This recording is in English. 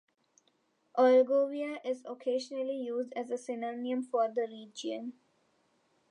"Allgovia" is occasionally used as a synonym for the region.